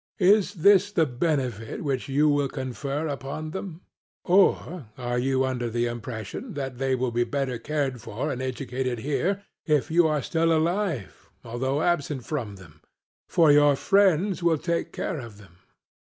Is this the benefit which you will confer upon them? Or are you under the impression that they will be better cared for and educated here if you are still alive, although absent from them; for your friends will take care of them?